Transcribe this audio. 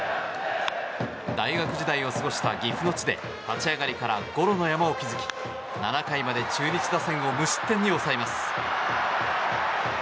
大学時代を過ごした岐阜の地で立ち上がりからゴロの山を築き７回まで中日打線を無失点に抑えます。